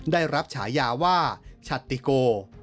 ได้รับฉายาว่าชัตติโก